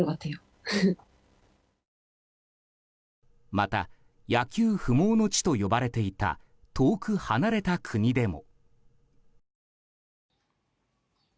また、野球不毛の地と呼ばれていた遠く離れた国でも。